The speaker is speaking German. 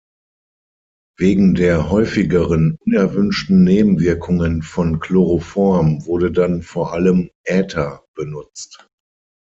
Wegen der häufigeren unerwünschten Nebenwirkungen von Chloroform wurde dann vor allem Äther benutzt.